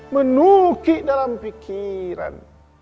menuki dalam pikiran